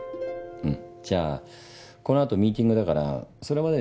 うんじゃあこのあとミーティングだからそれまでに。